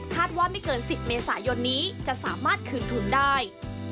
ว่าไม่เกิน๑๐เมษายนนี้จะสามารถคืนทุนได้